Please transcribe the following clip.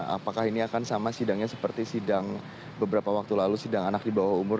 apakah ini akan sama sidangnya seperti sidang beberapa waktu lalu sidang anak di bawah umur